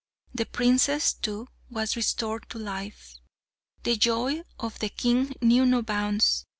The princess, too, was restored to life. The joy of the king knew no bounds.